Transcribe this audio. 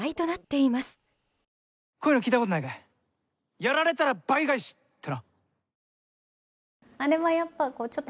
やられたら倍返しってな。